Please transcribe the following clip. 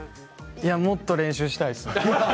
もっと練習したいですね。